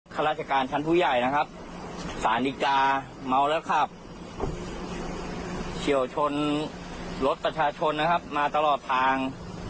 ข้าราชการชั้นผู้ใหญ่นะครับสารดีกาเมาแล้วขับเฉียวชนรถประชาชนนะครับมาตลอดทาง